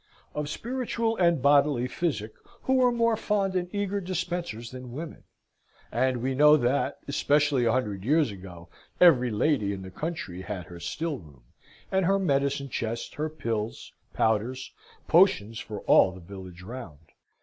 Of spiritual and bodily physic, who are more fond and eager dispensers than women? And we know that, especially a hundred years ago, every lady in the country had her still room, and her medicine chest, her pills, powders, potions, for all the village round.